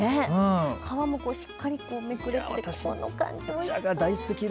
皮もしっかりめくれてこの感じ、おいしそう。